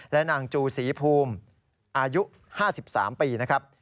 และนางจูศรีภูมิอายุ๕๓ปี